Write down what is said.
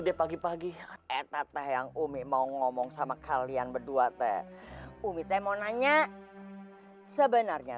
deh pagi pagi eteteh yang umi mau ngomong sama kalian berdua teh umitnya mau nanya sebenarnya